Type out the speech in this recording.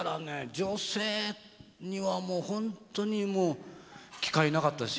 女性にはもう本当にもう機会なかったですよ。